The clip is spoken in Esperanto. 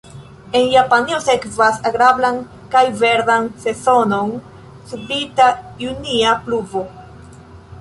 En Japanio sekvas agrablan kaj verdan sezonon subita junia pluvo.